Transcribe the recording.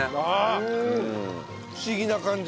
不思議な感じ。